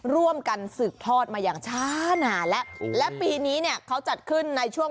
ร่วมกันสืบทอดมาอย่างช้านานแล้วและปีนี้เนี่ยเขาจัดขึ้นในช่วง